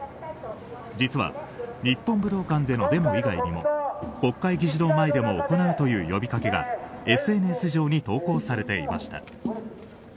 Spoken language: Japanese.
実は日本武道館でのデモ以外にも国会議事堂前でも行うという呼びかけがＳＮＳ上に投稿されていました。